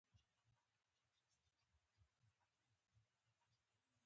زه د لومړي ځل لپاره له اوبو څخه جلا شوی وم.